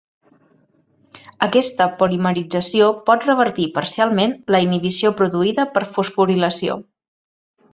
Aquesta polimerització pot revertir parcialment la inhibició produïda per fosforilació.